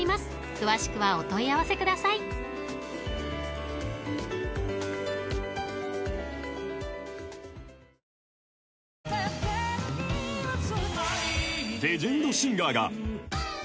［詳しくはお問い合わせください］問題です！